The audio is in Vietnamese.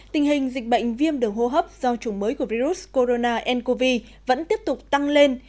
tình hình dịch bệnh viêm đường hô hấp do chủng mới của virus corona ncov vẫn tiếp tục tăng lên